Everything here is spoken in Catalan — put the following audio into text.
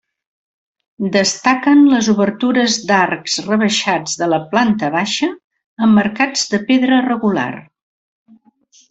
Destaquen les obertures d'arcs rebaixats de la planta baixa, emmarcats de pedra regular.